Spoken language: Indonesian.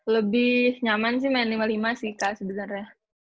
lebih nyaman sih main lima puluh lima sih kak sebenarnya